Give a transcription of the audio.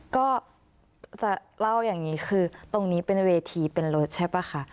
ก็จะเล่าอย่างนี้คือตรงนี้เป็นเวทีเป็นรถใช่ป่ะคะ